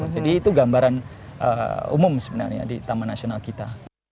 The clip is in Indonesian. jadi itu gambaran umum sebenarnya di taman nasional kita